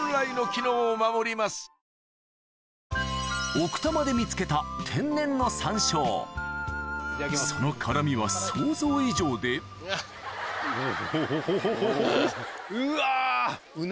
奥多摩で見つけた天然の山椒その辛みは想像以上でえぇ！